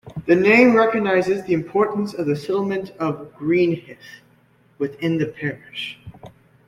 The name recognises the importance of the settlement of Greenhithe within the parish.